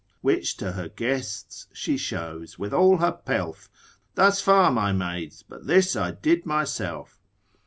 Which to her guests she shows, with all her pelf, Thus far my maids, but this I did myself.